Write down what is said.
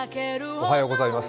おはようございます。